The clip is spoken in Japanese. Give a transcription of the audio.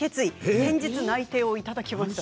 先日、内定をいただきました。